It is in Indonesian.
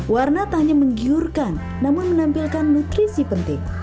warna tak hanya menggiurkan namun menampilkan nutrisi penting